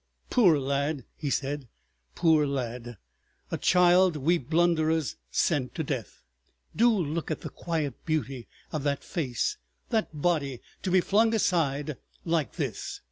"Poor lad!" he said, "poor lad! A child we blunderers sent to death! Do look at the quiet beauty of that face, that body—to be flung aside like this!"